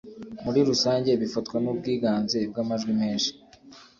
Muri Rusange bifatwa n’ubwiganze bw amajwi menshi.